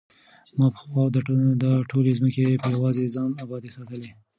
ما به پخوا دا ټولې ځمکې په یوازې ځان ابادې ساتلې.